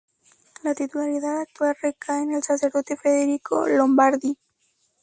La titularidad actual recae en el sacerdote Federico Lombardi.